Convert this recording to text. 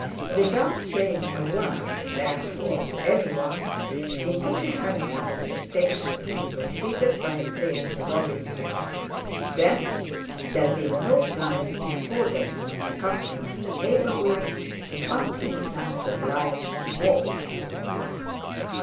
Without saying a word, therefore, to anyone, he took a hansom to the station and proceeded by train to Robin Hill; thence—there being no "flies," in accordance with the custom of the neighbourhood—he found himself obliged to walk.